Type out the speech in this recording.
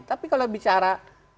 tapi kalau bicara